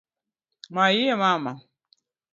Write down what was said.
Mayie Mama!